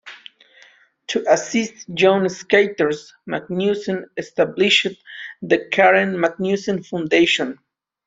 To assist young skaters, Magnussen established the "Karen Magnussen Foundation".